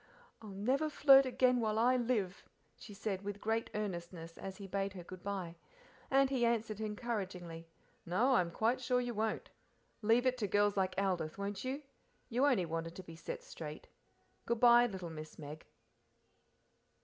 "I'll never flirt again while I live," she said with great earnestness, as he bade her good bye; and he answered encouragingly, "No, I am quite sure you won't leave it to girls like Aldith, won't you? you only wanted to be set straight. Good bye, little Miss Meg."